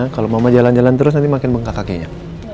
kalau mama jalan jalan terus nanti makin bengkak kakeknya